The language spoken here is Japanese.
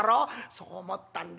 「そう思ったんだ。